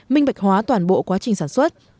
minh bạch hóa toàn bộ quá trình sản xuất